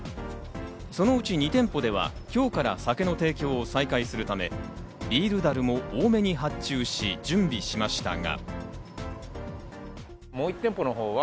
そのうち２店舗では今日から酒の提供を再開するため、ビール樽も多めに発注し準備しましたが。